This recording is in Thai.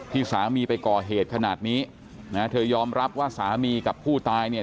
ที่สามีไปก่อเหตุขนาดนี้นะเธอยอมรับว่าสามีกับผู้ตายเนี่ย